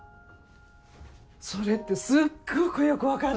それってすっごくよく分かる。